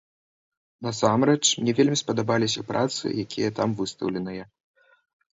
Насамрэч, мне вельмі спадабаліся працы, якія там выстаўленыя.